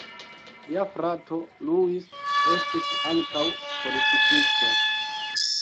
Lia frato Luis estis ankaŭ politikisto.